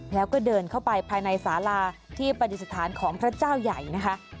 แล้วก็เดินเข้าไปภายในสาราที่ปฏิสถานของพระเจ้าใหญ่นะคะ